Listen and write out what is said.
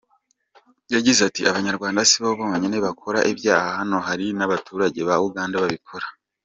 Yagize ati “Abanyarwanda sibo bonyine bakora ibyaha hano, hari n’abaturage ba Uganda babikora.